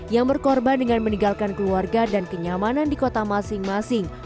yang berkorban dengan meninggalkan keluarga dan kenyamanan di kota masing masing